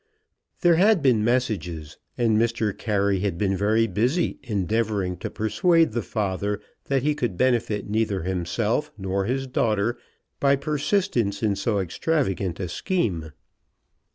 There had been messages, and Mr. Carey had been very busy endeavouring to persuade the father that he could benefit neither himself nor his daughter by persistence in so extravagant a scheme.